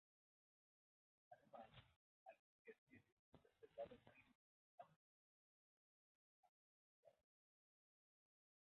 Además, alberga especies de invertebrados marinos, anfibios, reptiles, mamíferos y aves.